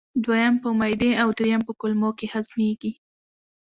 دویم په معدې او دریم په کولمو کې هضمېږي.